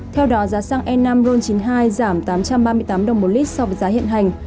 theo đó giá xăng e năm ron chín mươi hai giảm tám trăm ba mươi tám đồng một lít so với giá hiện hành